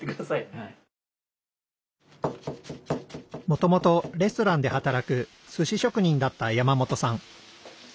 もともとレストランで働くすし職人だった山本さん。